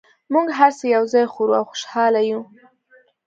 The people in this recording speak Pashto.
موږ هر څه یو ځای خورو او خوشحاله یو